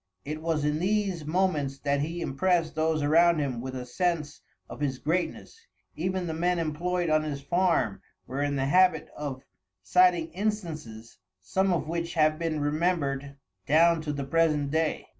It was in these moments that he impressed those around him with a sense of his greatness. Even the men employed on his farm were in the habit of citing instances, some of which have been remembered down to the present day."